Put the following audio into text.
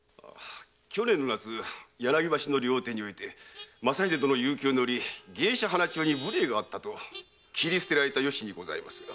去年の夏柳橋の料亭にて正秀殿遊興の折芸者・花千代に無礼があったと斬り捨てた由にございますが。